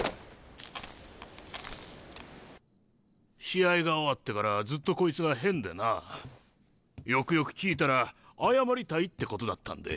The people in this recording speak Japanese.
試合が終わってからずっとこいつが変でなよくよく聞いたら謝りたいってことだったんで。